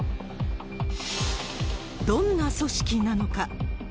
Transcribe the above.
どんな組織なのか。